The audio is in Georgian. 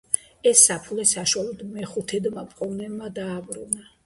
იქ საფულე საშუალოდ მეხუთედმა მპოვნელმა დააბრუნა.